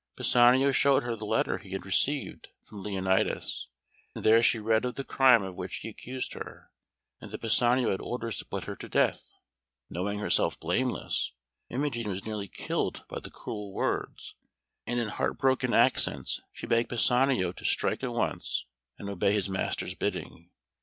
Pisanio showed her the letter he had received from Leonatus, and there she read of the crime of which he accused her, and that Pisanio had orders to put her to death. Knowing herself blameless, Imogen was nearly killed by the cruel words, and in heart broken accents she begged Pisanio to strike at once, and obey his master's bidding.